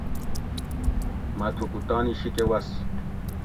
مہ تھوکو تانی شیکہ وس